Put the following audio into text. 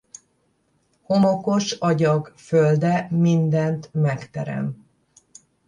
Homokos agyag földe mindent megterem.